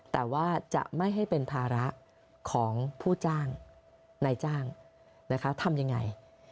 แต่ว่าจะไม่ให้เป็นภาระของผู้จ้างนายจ้างนะคะทำยังไง